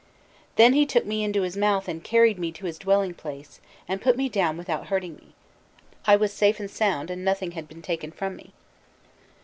Then he took me into his mouth and carried me to his dwelling place, and put me down without hurting me; I was safe and sound, and nothing had been taken from me."